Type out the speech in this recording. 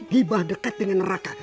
gibah dekat dengan neraka